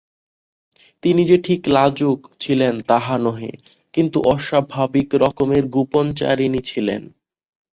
তিনি যে ঠিক লাজুক ছিলেন তাহা নহে, কিন্তু অস্বাভাবিক রকমের গোপনচারিণী ছিলেন।